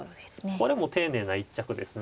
これも丁寧な一着ですね。